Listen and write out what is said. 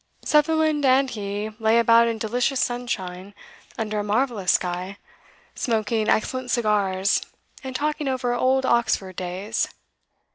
Sutherland and he lay about in delicious sunshine, under a marvellous sky, smoking excellent cigars, and talking over old Oxford days.